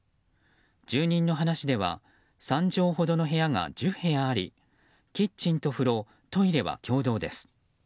住民の話では３畳ほどの部屋が１０部屋ありキッチンと風呂、トイレは共同です。